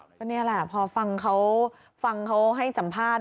เพราะนี่แหละพอฟังเขาให้สัมภาษณ์